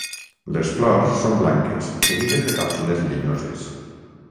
Les flors són blanques, seguides de càpsules llenyoses.